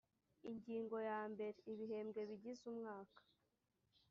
ingingo ya mbere ibihembwe bigize umwaka